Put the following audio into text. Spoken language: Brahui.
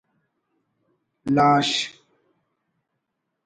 لاش